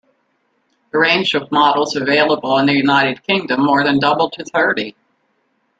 The range of models available in the United Kingdom more than doubled to thirty.